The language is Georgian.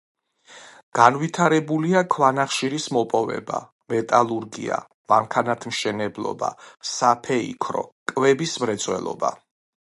განვითარებულია ქვანახშირის მოპოვება, მეტალურგია, მანქანათმშენებლობა, საფეიქრო, კვების მრეწველობა.